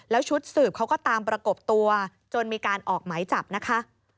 แล้วชุดสืบเขาก็ตามประกบตัวจนมีการออกหมายจับนะคะ